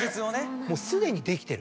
もうすでにできてる。